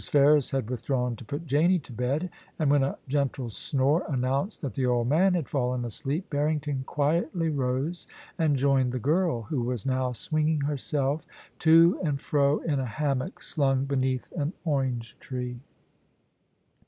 Ferris had withdrawn to put Janie to bed, and when a gentle snore announced that the old man had fallen asleep, Barrington quietly rose and joined the girl, who was now swinging herself to and fro in a hammock slung beneath an orange tree.